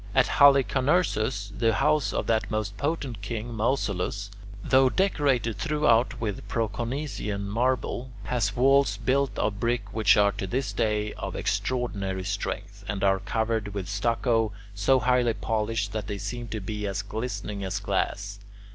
At Halicarnassus, the house of that most potent king Mausolus, though decorated throughout with Proconnesian marble, has walls built of brick which are to this day of extraordinary strength, and are covered with stucco so highly polished that they seem to be as glistening as glass.